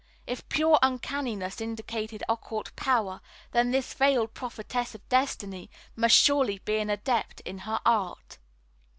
If pure uncanniness indicated occult power, then this veiled prophetess of destiny must surely be an adept in her art.